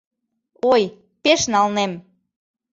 Ой, пеш налнем!